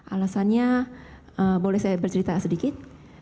alasannya boleh saya bercerita sedikit